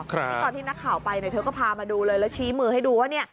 ที่ตอนที่นักข่าวไปเธอก็พามาดูเลยแล้วชี้มือให้ดูว่าเนี่ย